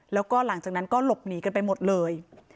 แล้วก็หลังจากนั้นก็หลบหนีกันไปหมดเลย